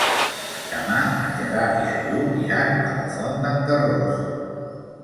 Demà en Gerard i en Lluc iran a la Font d'en Carròs.